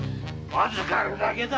預るだけだ。